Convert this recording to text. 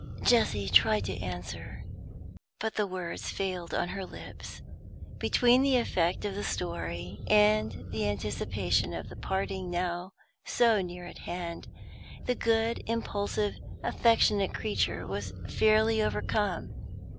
Jessie tried to answer, but the words failed on her lips. Between the effect of the story, and the anticipation of the parting now so near at hand, the good, impulsive, affectionate creature was fairly overcome.